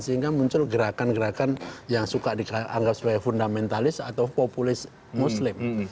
sehingga muncul gerakan gerakan yang suka dianggap sebagai fundamentalis atau populis muslim